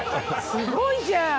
すごいじゃん！